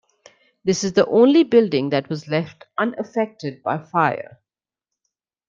This is the only building that was left unaffected by fire.